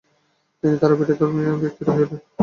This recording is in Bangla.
তিনি তারাপীঠের প্রধান ধর্মীয় ব্যক্তিত্ব হয়ে ওঠেন।